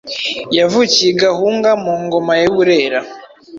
yavukiye i Gahunga mu Ngoma y’u Burera